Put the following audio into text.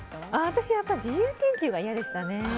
私は自由研究が嫌でしたね。